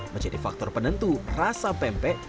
menjadi faktor penentu rasa pempek